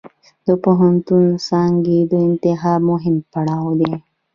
د پوهنتون څانګې د انتخاب مهم پړاو دی.